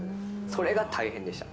それが大変でした。